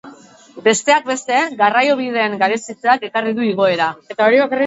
Besteak beste, garraiobideen garestitzeak ekarri du igoera.